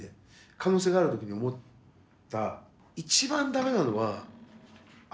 可能性があると思った。